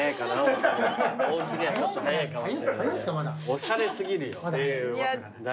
おしゃれ過ぎるよ。